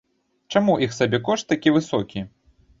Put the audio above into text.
Чаму іх сабекошт такі высокі?